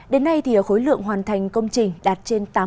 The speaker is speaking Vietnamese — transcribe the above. đến nay khối lượng hoàn thành công trình đạt trên tám tỷ đồng